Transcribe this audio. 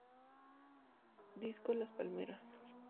Disco las Palmeras!